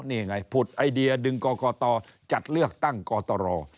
นี่ไงผุดไอเดียดึงกรกตจัดเลือกตั้งกตร